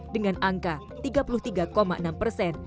dengan angka tiga puluh tiga enam persen